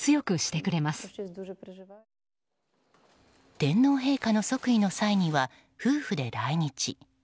天皇陛下の即位の際には夫婦で来日。